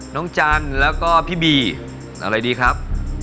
จันแล้วก็พี่บีอะไรดีครับ